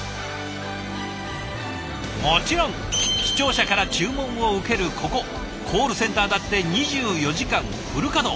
もちろん視聴者から注文を受けるここコールセンターだって２４時間フル稼働。